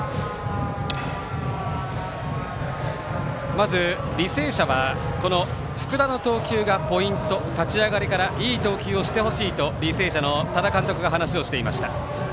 まず、履正社は福田の投球がポイント立ち上がりからいい投球をしてほしいと履正社の多田監督が話をしていました。